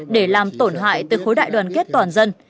để làm tổn hại tới khối đại đoàn kết toàn dân